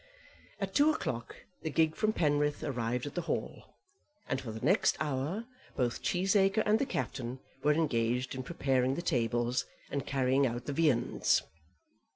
At two o'clock the gig from Penrith arrived at the Hall, and for the next hour both Cheesacre and the Captain were engaged in preparing the tables and carrying out the viands.